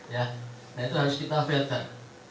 ya nah itu harus kita filter